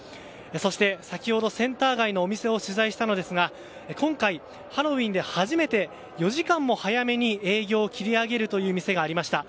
そして、先ほどセンター街のお店を取材したんですが今回、ハロウィーンで初めて４時間も早めに営業を切り上げるという店がありました。